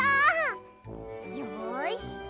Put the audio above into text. よし！